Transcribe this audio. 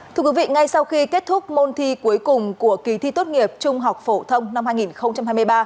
thưa quý vị ngay sau khi kết thúc môn thi cuối cùng của kỳ thi tốt nghiệp trung học phổ thông năm hai nghìn hai mươi ba